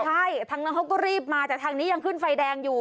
ใช่ทางนั้นเขาก็รีบมาแต่ทางนี้ยังขึ้นไฟแดงอยู่